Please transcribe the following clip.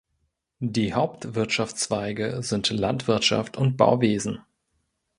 Die Hauptwirtschaftszweige sind Landwirtschaft und Bauwesen.